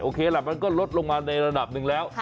เคล่ะมันก็ลดลงมาในระดับหนึ่งแล้ว